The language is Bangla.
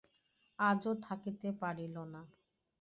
আজও থাকিতে পারিল না।